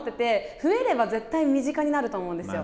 増えれば絶対身近になると思うんですよ。